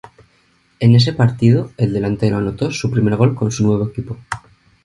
En ese partido, el delantero anotó su primer gol con su nuevo equipo.